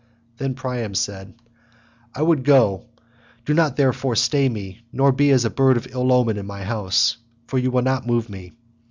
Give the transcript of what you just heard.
Then Priam said, "I would go, do not therefore stay me nor be as a bird of ill omen in my house, for you will not move me.